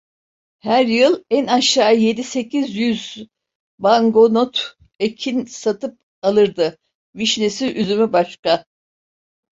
Her yıl en aşağı yedi sekiz yüz bangonot ekin satıp alırdı; vişnesi, üzümü başka.